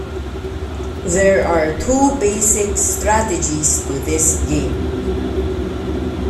There are two basic strategies to this game.